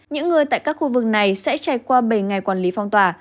những người tại các khu vực này sẽ trải qua bảy ngày quản lý phong tỏa